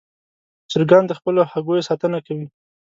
چرګان د خپلو هګیو ساتنه کوي.